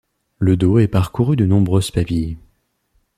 Le dos est parcouru de nombreuses papilles.